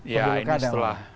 ya ini setelah